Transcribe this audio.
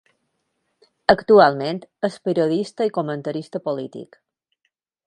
Actualment, és periodista i comentarista polític.